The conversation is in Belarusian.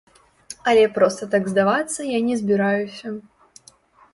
Але проста так здавацца я не збіраюся.